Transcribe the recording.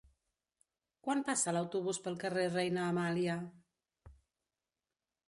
Quan passa l'autobús pel carrer Reina Amàlia?